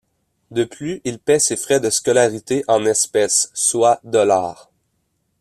De plus, il paie ses frais de scolarité en espèces, soit dollars.